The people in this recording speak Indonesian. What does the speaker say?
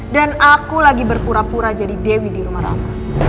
dan aku lagi berpura pura jadi dewi di rumah rama